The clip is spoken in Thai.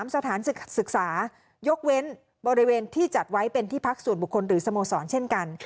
สถานศึกษายกเว้นบริเวณที่จัดไว้เป็นที่พักส่วนบุคคลหรือสโมสรเช่นกัน